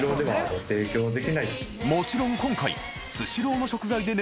［もちろん今回］